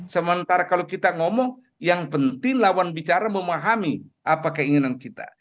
sementara kalau kita ngomong yang penting lawan bicara memahami apa keinginan kita